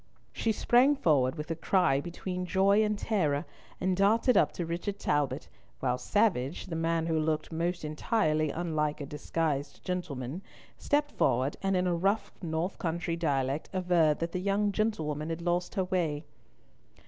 She sprang forward with a cry between joy and terror, and darted up to Richard Talbot, while Savage, the man who looked most entirely unlike a disguised gentleman, stepped forward, and in a rough, north country dialect, averred that the young gentlewoman had lost her way.